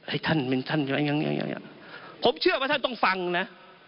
ให้ท่านเป็นท่านไว้ง่ายผมเชื่อว่าท่านต้องฟังนะ